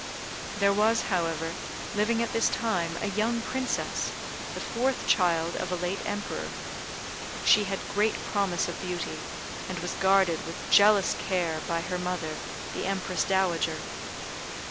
There was, however, living at this time a young Princess, the fourth child of a late Emperor. She had great promise of beauty, and was guarded with jealous care by her mother, the Empress Dowager.